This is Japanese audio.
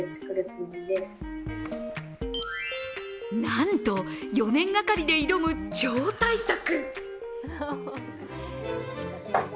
なんと４年がかりで挑む超大作。